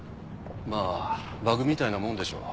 まぁバグみたいなもんでしょ。